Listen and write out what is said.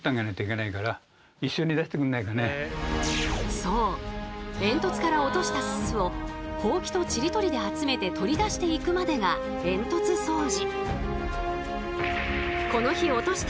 そう煙突から落としたススをホウキとちり取りで集めて取り出していくまでが煙突掃除。